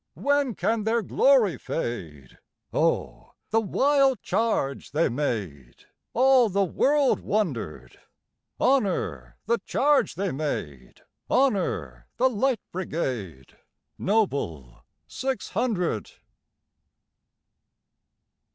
When can their glory fade?O the wild charge they made! All the world wonder'd. Honor the charge they made! Honor the Light Brigade, Noble six hundred!